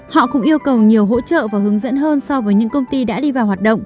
họ cũng yêu cầu nhiều hỗ trợ và hướng dẫn hơn so với những công ty đã đi vào hoạt động